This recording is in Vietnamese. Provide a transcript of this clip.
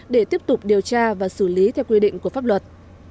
để tiếp tục điều tra và xử lý theo quy định của pháp luật